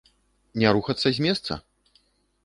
Не рухацца з месца?